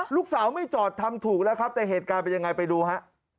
ลูกสาวไม่จอดทำถูกแล้วครับแต่เหตุการณ์เป็นยังไงไปดูฮะ